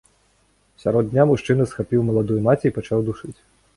Сярод дня мужчына схапіў маладую маці і пачаў душыць.